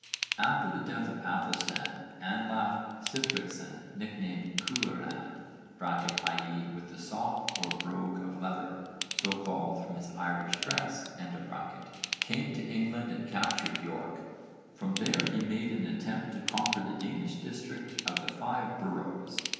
After the death of Aethelstan, Anlaf Sihtricsson, nicknamed Cuaran (i.e. with the sock or brogue of leather, so called from his Irish dress) came to England and captured York. From there he made an attempt to conquer the Danish district of the Five Boroughs.